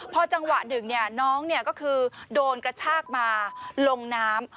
พอจังหวะหนึ่งน้องก็คือโดนกระชากมาลงน้ำ